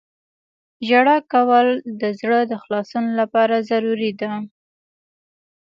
• ژړا کول د زړه د خلاصون لپاره ضروري ده.